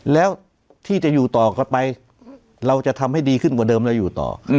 แล้วที่จะอยู่ต่อกันไปเราจะทำให้ดีขึ้นกว่าเดิมเราอยู่ต่อ